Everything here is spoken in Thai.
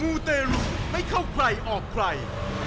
ูเตรุไม่เข้าใครออกใคร